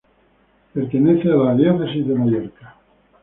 Pertenece a la Diócesis de Mallorca.